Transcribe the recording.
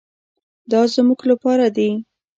دا زموږ لپاره دي.